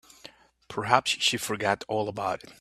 Perhaps she forgot all about it.